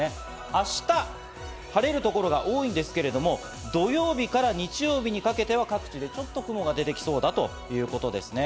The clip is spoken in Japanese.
明日晴れる所が多いんですけれども、土曜日から日曜日にかけては各地でちょっと雲が出てきそうだということですね。